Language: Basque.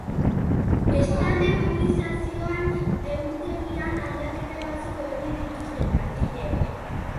Bestalde, mobilizazioen egutegian aldaketa batzuk egin dituzte langileek.